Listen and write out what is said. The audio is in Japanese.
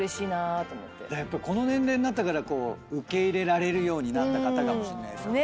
やっぱりこの年齢になったから受け入れられるようになった方かもしれないですよね。